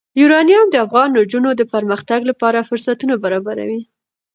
یورانیم د افغان نجونو د پرمختګ لپاره فرصتونه برابروي.